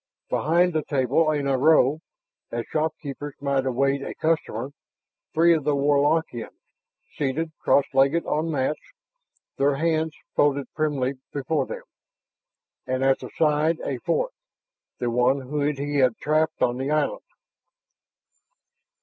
Behind the table in a row, as shopkeepers might await a customer, three of the Warlockians, seated cross legged on mats, their hands folded primly before them. And at the side a fourth, the one whom he had trapped on the island.